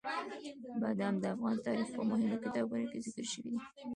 بادام د افغان تاریخ په مهمو کتابونو کې ذکر شوي دي.